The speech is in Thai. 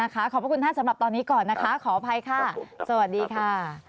ขอบพระคุณท่านสำหรับตอนนี้ก่อนนะคะขออภัยค่ะสวัสดีค่ะ